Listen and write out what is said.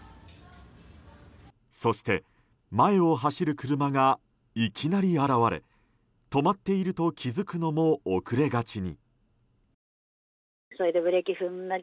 そして、前を走る車がいきなり現れ止まっていると気づくのも遅れがちに。